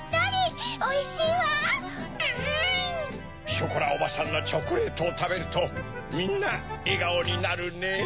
ショコラおばさんのチョコレートをたべるとみんなえがおになるねぇ！